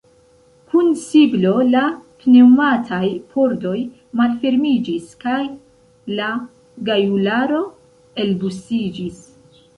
Kun siblo la pneŭmataj pordoj malfermiĝis kaj la gajularo elbusiĝis.